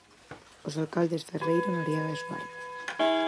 Os alcaldes Ferreiro, Noriega e Suárez.